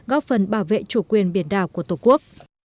góp phần bảo vệ chủ quyền biển đảo của tổ quốc